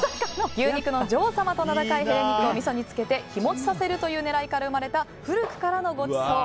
牛肉の女王様と名高いヘレ肉をみそに着けて日持ちさせる狙いから生まれた古くからのごちそう。